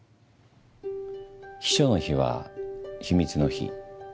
秘書の秘は秘密の秘。